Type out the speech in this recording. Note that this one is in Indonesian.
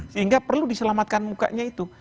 sehingga perlu diselamatkan mukanya itu